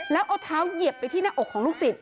แล้วเอาเท้าเหยียบไปที่หน้าอกของลูกศิษย